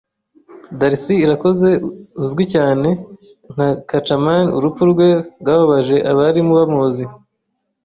Darcy Irakoze uzwi cyane nka Kacaman urupfu rwe rwababaje abari bamuzi